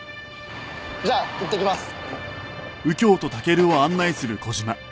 じゃあ行ってきます。